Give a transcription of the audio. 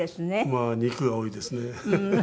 まあ肉が多いですね。